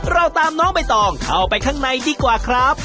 เราตามน้องใบตองเข้าไปข้างในดีกว่าครับ